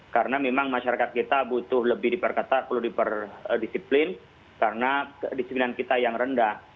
karena memang masyarakat kita butuh lebih diperketat perlu diperdisiplin karena disiplin kita yang rendah